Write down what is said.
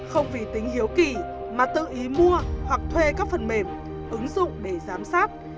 không vì tính hiếu kỳ mà tự ý mua hoặc thuê các phần mềm ứng dụng để giám sát